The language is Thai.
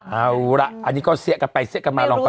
เอาละอันนี้ก็เซียกกันไปเซียกกันมาลองลองรู้